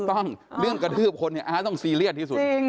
ต้องเรื่องกระทืบคนเนี่ยต้องซีเรียสที่สุด